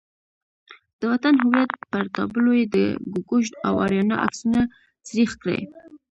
د وطن هویت پر تابلو یې د ګوګوش او آریانا عکسونه سریښ کړي.